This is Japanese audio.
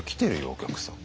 お客さん。